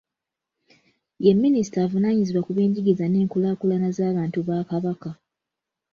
Ye minisita avunaanyizibwa ku by'enjigiriza n'enkulaakulana z'abantu ba Kabaka.